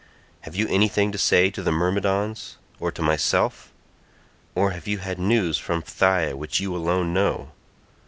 Have you anything to say to the Myrmidons or to myself? or have you had news from Phthia which you alone know?